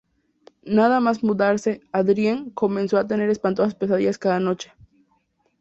Nada más mudarse, Adrienne comienza a tener espantosas pesadillas cada noche.